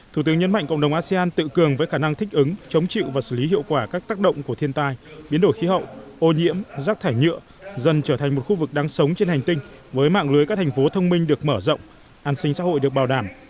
thủ tướng nhấn mạnh cộng đồng asean tự cường với khả năng thích ứng chống chịu và xử lý hiệu quả các tác động của thiên tai biến đổi khí hậu ô nhiễm rác thải nhựa dần trở thành một khu vực đáng sống trên hành tinh với mạng lưới các thành phố thông minh được mở rộng an sinh xã hội được bảo đảm